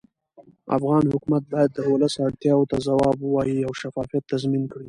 افغان حکومت باید د ولس اړتیاوو ته ځواب ووایي او شفافیت تضمین کړي